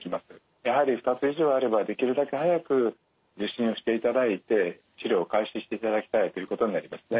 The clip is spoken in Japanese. やはり２つ以上ある場合はできるだけ早く受診をしていただいて治療を開始していただきたいということになりますね。